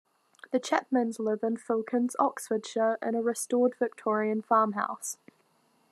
The Chapmans live in Filkins, Oxfordshire, in a restored Victorian farmhouse.